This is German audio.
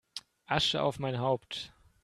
Asche auf mein Haupt!